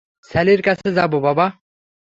স্যালির কাছে যাবে বাবা?